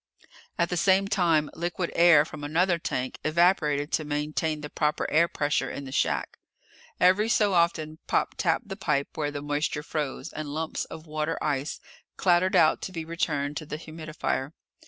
At the same time, liquid air from another tank evaporated to maintain the proper air pressure in the shack. Every so often Pop tapped the pipe where the moisture froze, and lumps of water ice clattered out to be returned to the humidifier.